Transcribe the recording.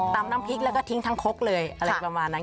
น้ำพริกแล้วก็ทิ้งทั้งคกเลยอะไรประมาณนั้น